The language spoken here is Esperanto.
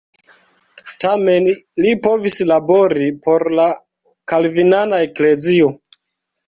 Tamen li povis labori por la kalvinana eklezio.